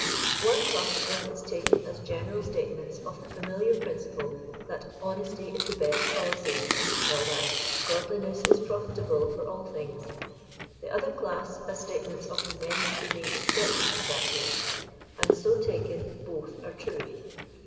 One class 131 of them is taken as general statements of the familiar principle that honesty is the best policy," or that <* godliness is profitable for all things ;'* the other clasa, as statements of the many seeming ex* ceptions to that rule ; and so taken, both are true.